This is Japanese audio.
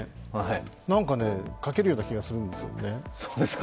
なんかね、書けるような気がするんですよね。